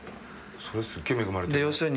それすっげえ恵まれてるね。